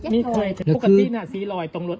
ไม่เคยเพราะปกตินะ๔รอยตรงหลัด